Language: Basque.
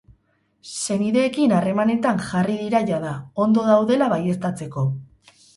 Senideekin harremanetan jarri dira jada, ondo daudela baieztatzeko.